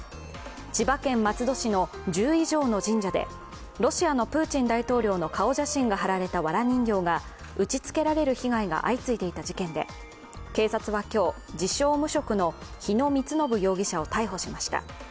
千葉県松戸市の１０以上の神社でロシアのプーチン大統領の顔写真が貼られたわら人形が打ちつけられる被害が相次いでいた事件で警察は今日、自称・無職の日野充信容疑者を逮捕しました。